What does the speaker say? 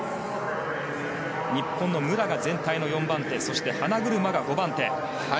日本の武良が全体の４番手花車が５番手。